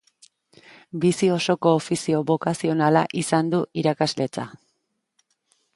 Bizi osoko ofizio bokazionala izan du irakasletza.